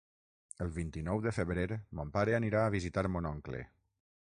El vint-i-nou de febrer mon pare anirà a visitar mon oncle.